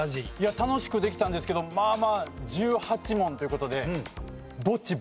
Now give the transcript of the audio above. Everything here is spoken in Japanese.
楽しくできたんですけどまあまあ１８問という事で。